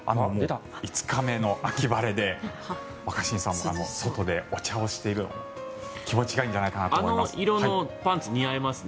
５日目の秋晴れで若新さんも外でお茶をしていて気持ちがいいんじゃないかなと思います。